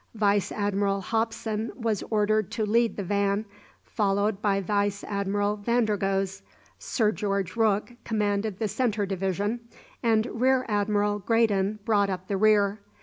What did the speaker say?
Vice Admiral Hopson was ordered to lead the van, followed by Vice Admiral Vandergoes, Sir George Rooke commanded the centre division, and Rear Admiral Graydon brought up the rear.